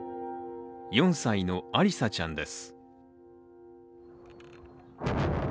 ４歳のアリサちゃんです。